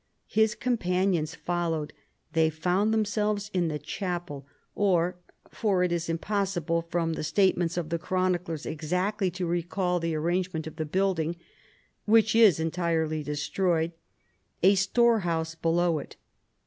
His companions followed. They found themselves in the chapel, or — for it is impossible from the statements of the chroniclers exactly to recall the arrangement of the building, which is entirely destroyed — a store house below it.